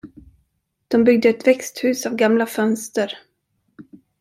De byggde ett växthus av gamla fönster.